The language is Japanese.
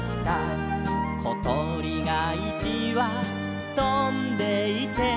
「ことりがいちわとんでいて」